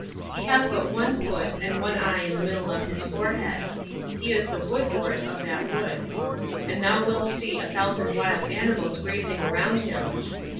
He has but one foot, and one eye in the middle of his forehead. He is the wood ward of that wood. And thou wilt see a thousand wild animals grazing around him.